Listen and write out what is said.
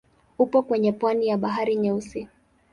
Upo kwenye pwani ya Bahari Nyeusi.